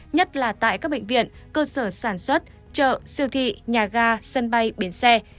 nhất là tại các bệnh viện cơ sở sản xuất chợ siêu thị nhà ga sân bay bến xe